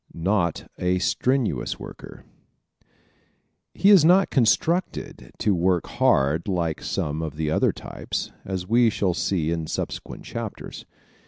Not a Strenuous Worker ¶ He is not constructed to work hard like some of the other types, as we shall see in subsequent chapters.